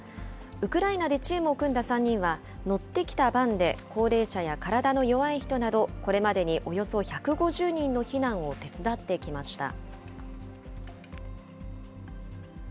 ウクライナでチームを組んだ３人は、乗ってきたバンで高齢者や体の弱い人など、これまでにおよそ１５０人の避難を手伝ってきました。